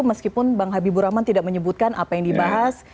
meskipun bang habibur rahman tidak menyebutkan apa yang dibahas